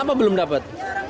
kenapa belum dapet